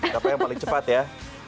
siapa yang paling cepat ya